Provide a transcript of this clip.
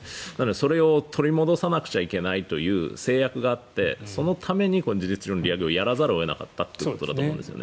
それを取り戻さなくちゃいけないという制約があってそのために事実上の利上げをやらざるを得なかったということだと思うんですよね。